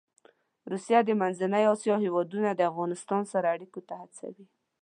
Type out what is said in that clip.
روسیه د منځنۍ اسیا هېوادونه د افغانستان سره اړيکو ته هڅوي.